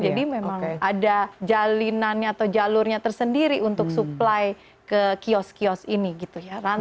jadi memang ada jalinannya atau jalurnya tersendiri untuk supply ke kios kios ini gitu ya